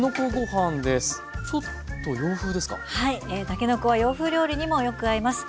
たけのこは洋風料理にもよく合います。